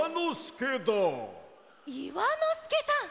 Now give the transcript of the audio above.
いわのすけさん！